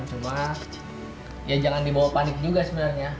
cuma ya jangan dibawa panik juga sebenarnya